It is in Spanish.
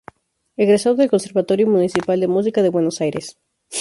Egresado del Conservatorio Municipal de Música de Buenos Aires.